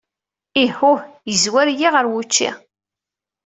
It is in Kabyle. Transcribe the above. Ihuh! Yezwar-iyi ɣer wučči.